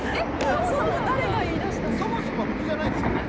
そもそも僕じゃないですからね。